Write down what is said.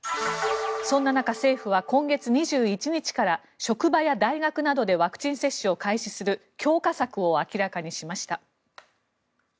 そんな中、政府は今月２１日から職場や大学などでワクチン接種を開始する強化策を明らかにしました。